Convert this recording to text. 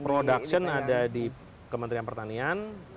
production ada di kementerian pertanian